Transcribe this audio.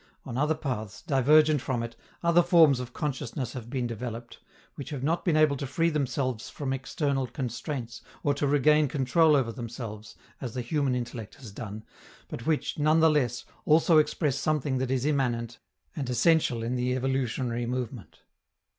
On other paths, divergent from it, other forms of consciousness have been developed, which have not been able to free themselves from external constraints or to regain control over themselves, as the human intellect has done, but which, none the less, also express something that is immanent and essential in the evolutionary movement.